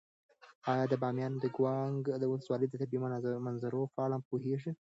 ایا د بامیانو د یکاولنګ ولسوالۍ د طبیعي مناظرو په اړه پوهېږې؟